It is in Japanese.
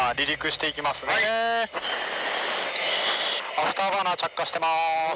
アフターバーナー着火してます。